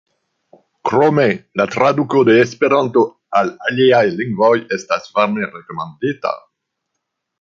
Krome, la traduko de Esperanto al aliaj lingvoj estas varme rekomendita.